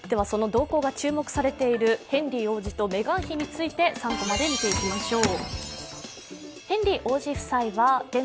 動向が注目されているヘンリー王子とメガン妃について３コマで見ていきましょう。